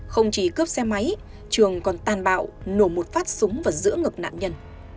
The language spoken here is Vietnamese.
không chỉ cướp xe máy trường còn tàn bạo nổ một phát súng và giữa ngực nạn nhân